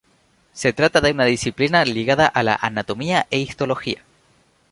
Se trata de una disciplina ligada a la anatomía e histología.